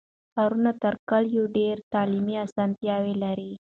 ښارونه تر کلیو ډېر تعلیمي اسانتیاوې لري.